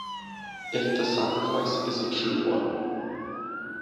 If the sacrifice is a true one.